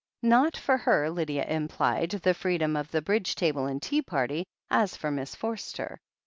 Not for her, Lydia implied, the freedom of the Bridge table and tea party, as for Miss Forster.